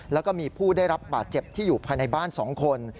แล้วก็มีผู้ได้รับบาดเจ็บที่อยู่ภายในบ้าน๒คน